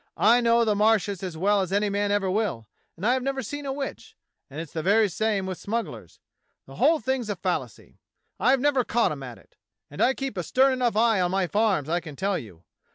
I know the Marshes as well as any man ever will, and I've never seen a witch, and it's the very same with smugglers. The whole thing's a fallacy. I've never caught 'em at it; and I keep a stern 42 DOCTOR SYN enough eye on my farms, I can tell you.